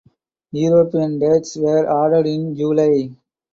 European dates were added in July.